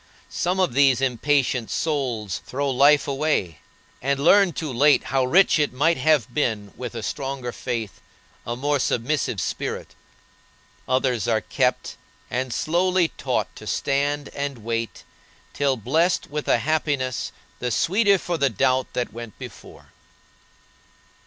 Some of these impatient souls throw life away, and learn too late how rich it might have been with a stronger faith, a more submissive spirit. Others are kept, and slowly taught to stand and wait, till blest with a happiness the sweeter for the doubt that went before.